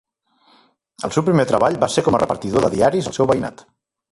El seu primer treball va ser com a repartidor de diaris al seu veïnat.